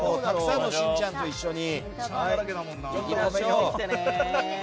たくさんのしんちゃんと一緒に。